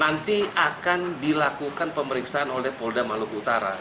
nanti akan dilakukan pemeriksaan oleh polda maluku utara